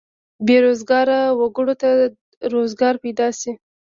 بې روزګاره وګړو ته روزګار پیدا شي.